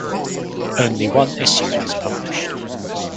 Only one issue was published.